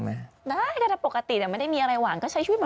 มีได้อะไรบ้างไหม